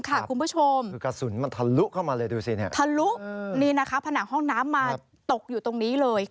กระสุนทะลุเข้ามาผนังห้องน้ำตกอยู่ตรงนี้เลย